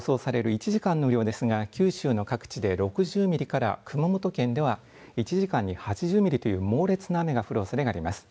１時間の雨量ですが九州の各地で６０ミリから、熊本県では１時間に８０ミリという猛烈な雨が降るおそれがあります。